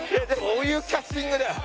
どういうキャスティングだよ。